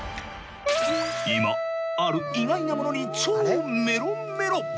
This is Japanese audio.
今ある意外なものに超メロメロ。